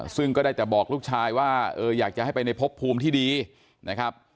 ซึ่งก็ได้แต่บอกลูกชายว่าเอออยากจะให้ไปในพบภูมิที่ดีนะครับ